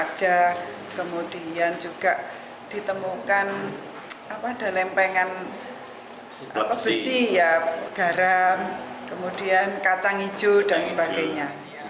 pembelian kertas kemudian juga ditemukan lempengan besi garam kemudian kacang hijau dan sebagainya